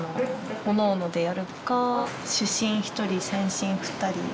おのおのでやるか主審１人線審２人。